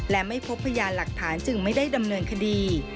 และไม่พบพยานหลักฐานจึงไม่ได้ดำเนินคดี